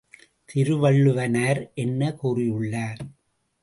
திருவள்ளுவனார் என்ன கூறியுள்ளார்?